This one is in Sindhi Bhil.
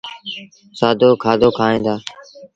سآدو کآدو کائيٚݩ دآ۔